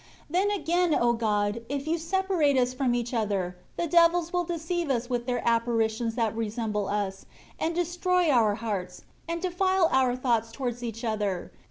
24 Then again, O God, if You separate us from each other, the devils will deceive us with their apparitions that resemble us, and destroy our hearts, and defile our thoughts towards each other.